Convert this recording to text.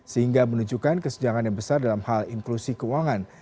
sehingga menunjukkan kesenjangan yang besar dalam hal inklusi keuangan